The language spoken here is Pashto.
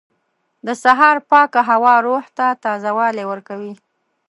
• د سهار پاکه هوا روح ته تازهوالی ورکوي.